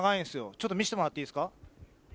ちょっと見してもらっていいですか？